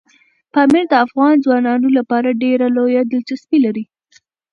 پامیر د افغان ځوانانو لپاره ډېره لویه دلچسپي لري.